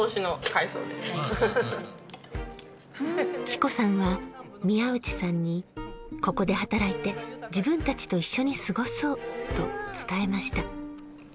智子さんは宮内さんに「ここで働いて自分たちと一緒に過ごそう」と伝えました。